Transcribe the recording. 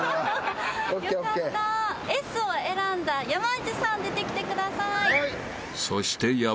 Ｓを選んだ山内さん出てきてください。